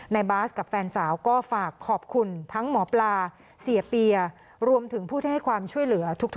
บาสกับแฟนสาวก็ฝากขอบคุณทั้งหมอปลาเสียเปียรวมถึงผู้ที่ให้ความช่วยเหลือทุก